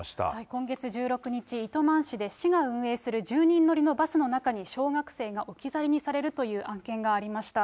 今月１６日、糸満市で市が運営する１０人乗りのバスの中に、小学生が置き去りにされるという案件がありました。